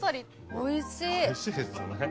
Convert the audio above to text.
おいしいですよね。